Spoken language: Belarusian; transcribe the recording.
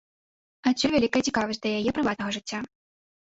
Адсюль вялікая цікавасць да яе прыватнага жыцця.